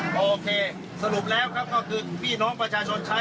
ก็ต้องมารถไปกระบวนทางหาข้าวกินค่ะ